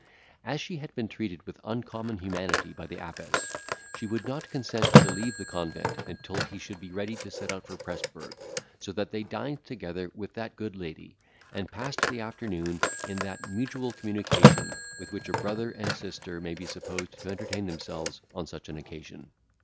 As she had been treated with uncommon humanity by the abbess, she would not consent to leave the convent until he should be ready to set out for Presburg; so that they dined together with that good lady, and passed the afternoon in that mutual communication with which a brother and sister may be supposed to entertain themselves on such an occasion.